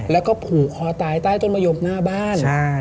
แล้วก็ผู่คอตายต้นมยมต้อน้าบ้าน